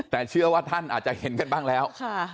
แต่เชื่อว่าท่านอาจจะเห็นกันบ้างแล้ว